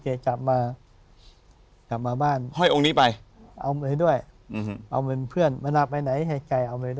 เอาไปด้วยเอาเป็นเพื่อนมันอาบไปไหนไฮไก่เอาไปด้วย